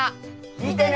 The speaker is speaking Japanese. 見てね！